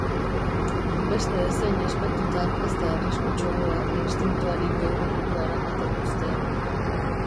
Beste ezein aspektutan ez da arriskutsuagoa instintuari geure burua eramaten uztea.